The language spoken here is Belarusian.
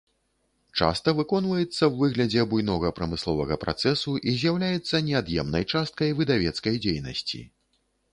Часта выконваецца ў выглядзе буйнога прамысловага працэсу і з'яўляецца неад'емнай часткай выдавецкай дзейнасці.